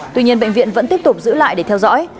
tuy nhiên bệnh viện vẫn tiếp tục giữ lại để theo dõi